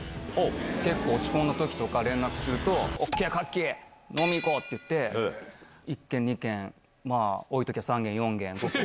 結構、落ち込んだときとか連絡すると、ＯＫ、カッキー、飲み行こうって言って、１軒、２軒、まあ多いときは、３軒、４軒。